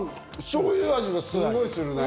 しょうゆ味がすんごいするね。